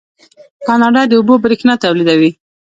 کاناډا د اوبو بریښنا تولیدوي.